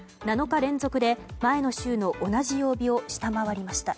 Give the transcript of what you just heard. ７日連続で前の週の同じ曜日を下回りました。